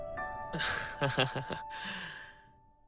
ハハハハ。